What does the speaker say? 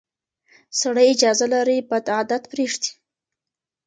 سړی اجازه لري بد عادت پرېږدي.